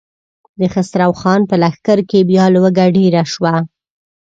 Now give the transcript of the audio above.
د خسرو خان په لښکر کې بيا لوږه ډېره شوه.